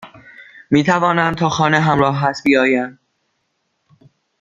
میتوانم تا خانه همراهت بیایم؟